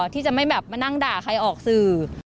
ที่จะไม่แบบมานั่งด่าใครออกสื่อ